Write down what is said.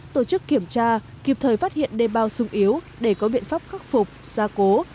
tổ chức kiểm tra kịp thời phát hiện đê bao sung yếu để có biện pháp khắc phục gia cố